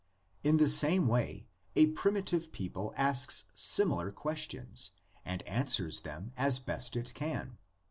In the same way a primitive people asks similar questions and answers them as best it can.